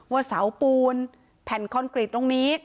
ว่าเสาปูนแผ่นคอนกรีตตรงนี้